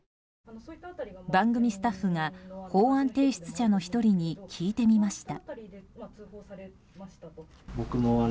番組スタッフが法案提出者の１人に聞いてみました。